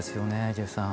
ジェフさん。